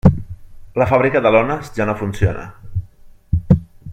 La fàbrica de lones ja no funciona.